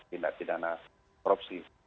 pindah pindah dana korupsi